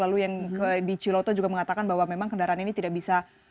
lalu yang di ciloto juga mengatakan bahwa memang kendaraan ini tidak bisa